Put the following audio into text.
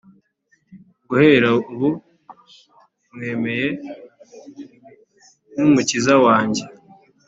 Guhera ubu mwemeye nk'Umukiza wanjye,